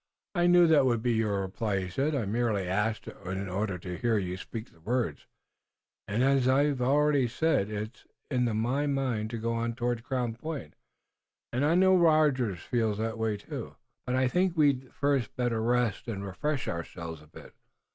"I knew that would be your reply," he said. "I merely asked in order to hear you speak the words. As I've said already, it's in my mind to go on toward Crown Point, and I know Rogers feels that way too. But I think we'd first better rest and refresh ourselves a bit.